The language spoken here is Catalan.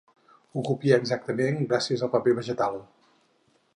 Ho copia exactament gràcies al paper vegetal.